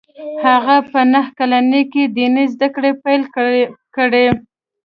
هغه په نهه کلنۍ کې ديني زده کړې پیل کړې